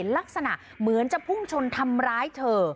ลักษณะเหมือนจะพุ่งชนทำร้ายเธอ